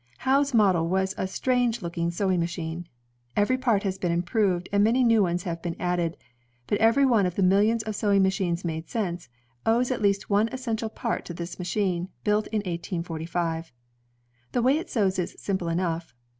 Howe's model was a strange looking sewing machine. Every part has been improved, and many new ones have been added, but every one of the millions of sewing ma chines made since, owes at least one essential part to this machine, built in 1845. The way it sews is simple enough.